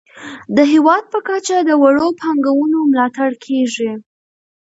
د هیواد په کچه د وړو پانګونو ملاتړ کیږي.